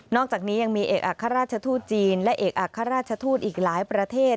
นอกจากนี้ยังมีเอกอักษรราชทุทธิ์จีนและเอกอักษรราชทุทธิ์อีกหลายประเทศ